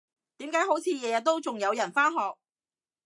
點解好似日日都仲有人返學？